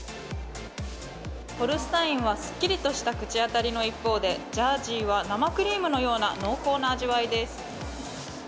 ホルスタインはすっきりとした口当たりの一方で、ジャージーは生クリームのような濃厚な味わいです。